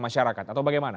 masyarakat atau bagaimana